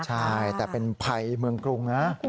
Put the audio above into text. ใช่แต่เป็นภัยเมืองกรุงนะ